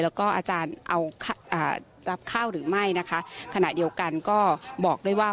แล้วก็อาจารย์เอารับข้าวหรือไม่นะคะขณะเดียวกันก็บอกด้วยว่า